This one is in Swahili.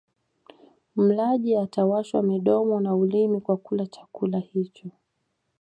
Mlaji atawashwa midomo na ulimi kwa kula chakula hicho